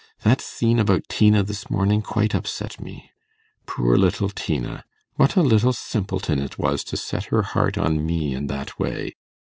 That scene about Tina this morning quite upset me. Poor little Tina! What a little simpleton it was, to set her heart on me in that way!